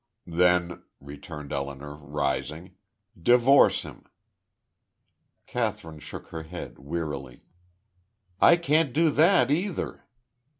"Then," returned Elinor, rising, "divorce him." Kathryn shook her head, wearily. "I can't do that, either."